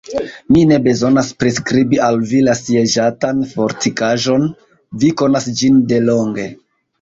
Mi ne bezonas priskribi al vi la sieĝatan fortikaĵon: vi konas ĝin de longe.